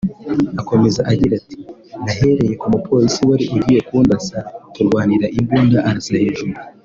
Akomeza agira ati “nNahereye ku mupolisi wari ugiye kundasa turwanira imbunda arasa hejuru